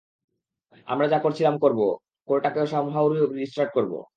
আমরা যা করছিলাম করব, কোরটাকেও সামহাও রিস্টার্ট করব!